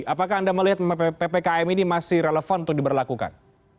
apakah anda melihat ppkm ini masih relevan untuk diberlakukan